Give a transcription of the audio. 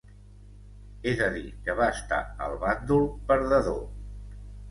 És a dir, que va estar al bàndol perdedor.